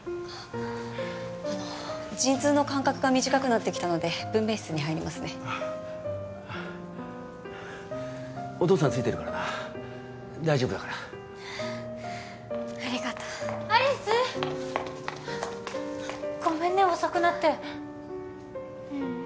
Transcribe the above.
あの陣痛の間隔が短くなってきたので分娩室に入りますねお父さんついてるからな大丈夫だからありがとう有栖っごめんね遅くなってううん